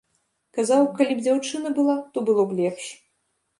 Казаў, калі б дзяўчына была, то было б лепш.